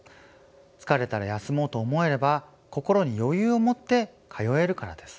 疲れたら休もうと思えれば心に余裕を持って通えるからです。